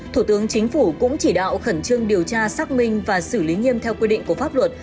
thủ tướng chính phủ cũng chỉ đạo khẩn trương điều tra xác minh và xử lý nghiêm theo quy định của pháp luật